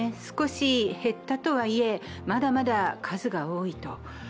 少し減ったとはいえ、まだまだ数が多い。